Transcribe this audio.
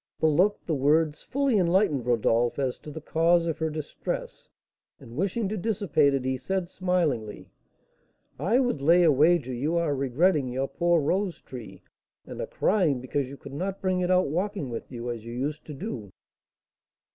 The look, the words, fully enlightened Rodolph as to the cause of her distress, and, wishing to dissipate it, he said, smilingly: "I would lay a wager you are regretting your poor rose tree, and are crying because you could not bring it out walking with you, as you used to do."